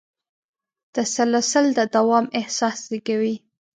تسلسل د دوام احساس زېږوي.